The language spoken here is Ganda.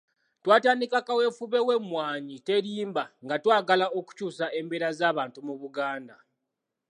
Twatandika kaweefube w’Emmwanyi Terimba nga twagala okukyusa embeera z’abantu mu Buganda.